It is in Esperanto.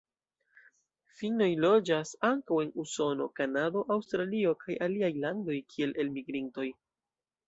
Finnoj loĝas ankaŭ en Usono, Kanado, Aŭstralio kaj aliaj landoj kiel elmigrintoj.